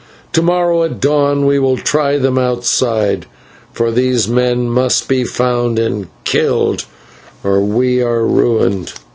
"To morrow at dawn we will try them outside, for these men must be found and killed, or we are ruined.